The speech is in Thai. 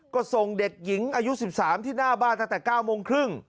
ก็ส่งเด็กหญิงอายุ๑๓ที่หน้าบ้านตั้งแต่๙โมงครึ่ง